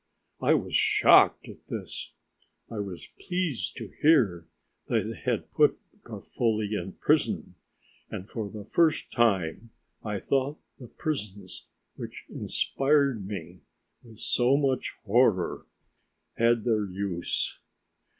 I was shocked at this. I was pleased to hear that they had put Garofoli in prison, and for the first time I thought the prisons, which inspired me with so much horror, had their use.